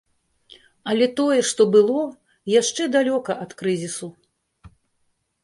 Але тое, што было, яшчэ далёка ад крызісу.